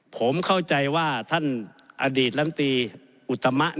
ผมเข้าใจว่าท่านอดีตลำตีอุตมะ